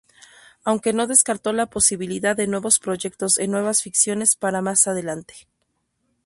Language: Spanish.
Aunque no descartó la posibilidad de nuevos proyectos en nuevas ficciones para más adelante.